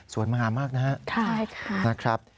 มหามากนะครับ